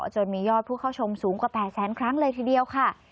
จนมียอดผู้เข้าชมสูงกว่า๘แสนครั้งเลยทีเดียวค่ะ